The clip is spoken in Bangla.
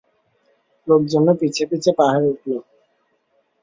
লোকজনও পিছে পিছে পাহাড়ে উঠল।